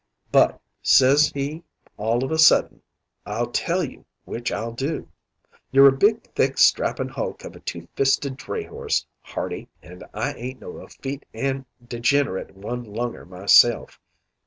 'But,' says he all of a sudden, 'I'll tell you which I'll do. You're a big, thick, strappin' hulk o' a two fisted dray horse, Hardie, an' I ain't no effete an' digenerate one lunger myself.